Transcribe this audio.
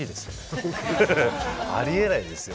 ありえないですよ